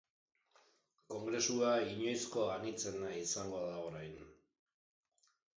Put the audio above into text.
Kongresua inoizko anitzena izango da orain.